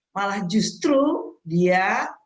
malah justru dia